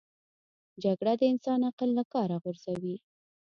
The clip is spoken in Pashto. جګړه د انسان عقل له کاره غورځوي